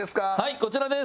こちらです。